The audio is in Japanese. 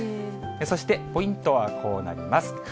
そしてポイントはこうなります。